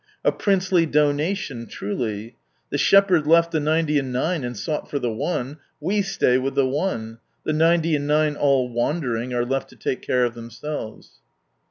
A princely donation truly ! The Shepherd left the ninety and nine, and sought for the one we stay with the one, — the ninety and nine, all wandering, are left to take care of themselves.